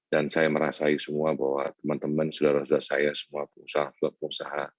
dan saya merasai semua bahwa teman teman saudara saudara saya semua perusahaan